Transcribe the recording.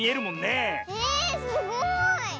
えすごい！